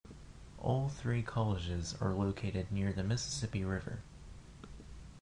All three colleges are located near the Mississippi River.